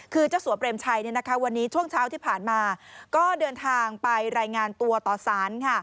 คือเจ้าสัวเปรมชัยวันนี้ช่วงเช้าที่ผ่านมาก็เดินทางไปรายงานตัวต่อสาร